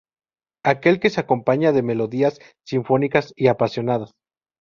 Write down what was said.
Aquel que se acompaña de melodías sinfónicas y apasionadas.